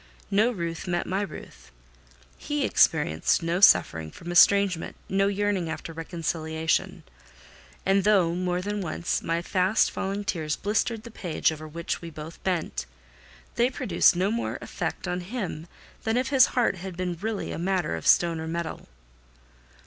No ruth met my ruth. He experienced no suffering from estrangement—no yearning after reconciliation; and though, more than once, my fast falling tears blistered the page over which we both bent, they produced no more effect on him than if his heart had been really a matter of stone or metal.